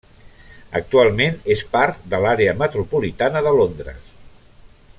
Actualment és part de l'àrea metropolitana de Londres.